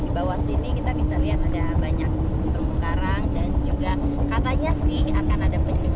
di bawah sini kita bisa lihat ada banyak terumbu karang dan juga katanya sih akan ada penyu